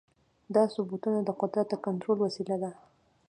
دا ثبتونه د قدرت د کنټرول وسیله وه.